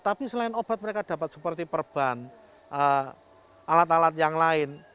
tapi selain obat mereka dapat seperti perban alat alat yang lain